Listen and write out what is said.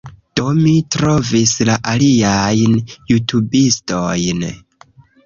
Do, mi trovis la aliajn jutubistojn